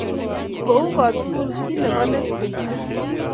Kou kotugul, ki nebo let koitei